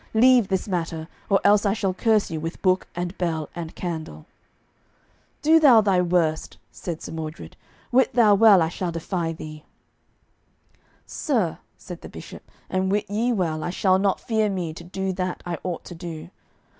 Leave this matter, or else I shall curse you with book and bell and candle." "Do thou thy worst," said Sir Mordred; "wit thou well I shall defy thee." "Sir," said the Bishop, "and wit ye well I shall not fear me to do that I ought to do.